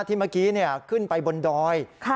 ที่เมื่อกี้ขึ้นไปบนดอย